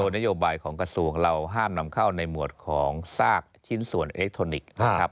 นโยบายของกระทรวงเราห้ามนำเข้าในหมวดของซากชิ้นส่วนอิเล็กทรอนิกส์นะครับ